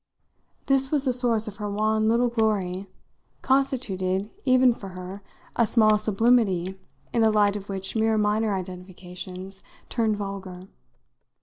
This was the source of her wan little glory, constituted even for her a small sublimity in the light of which mere minor identifications turned vulgar.